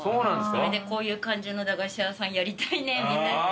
それでこういう感じの駄菓子屋さんやりたいねみたいな。